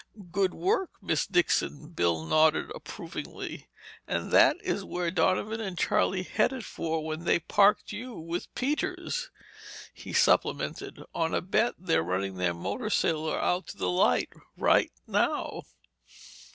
"Good work, Miss Dixon—" Bill nodded approvingly. "And that is where Donovan and Charlie headed for when they parked you with Peters," he supplemented. "On a bet, they're running their motor sailor out to the light right now."